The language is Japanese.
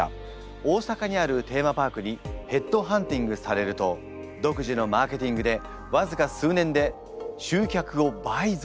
大阪にあるテーマパークにヘッドハンティングされると独自のマーケティングでわずか数年で集客を倍増。